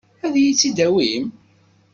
Ad iyi-tt-id-awin?